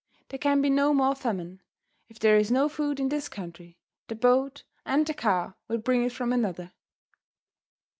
There can be no more famine. If there is no food in this country, the boat and the car will bring it from another.